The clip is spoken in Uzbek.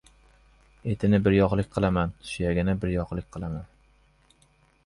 Etini bir-yoqlik qilaman, suyagini biryoqlik qilaman!..